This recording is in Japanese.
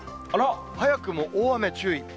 早くも大雨注意。